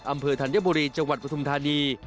อำเภอธัญบุรีจังหวัดประธุมธานี